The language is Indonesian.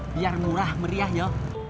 biar murah meriah yo